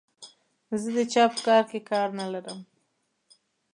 زه د چا په کار کې کار نه لرم.